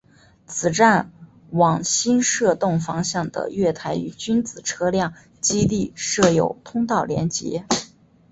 此站往新设洞方向的月台与君子车辆基地设有通道连结。